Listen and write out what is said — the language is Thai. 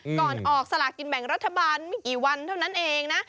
ก่อนออกสลากินแบ่งรัฐบาลไม่กี่วันเท่านั้นเองนะ